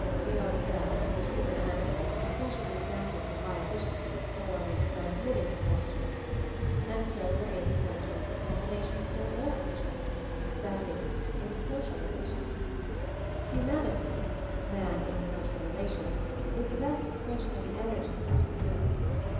We ourselves, the human animals, were spe cially adapted for high efficiency in storing and transmitting this energy; and so were able to enter into a combination still more efficient; that is, into social relations. Hu MOVING THE MOUNTAIN 243 manity, man in social relation, is the best ex pression of the Energy that we know.